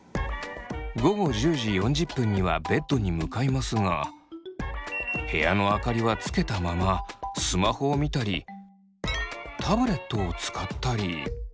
午後１０時４０分にはベッドに向かいますが部屋の明かりはつけたままスマホを見たりタブレットを使ったり。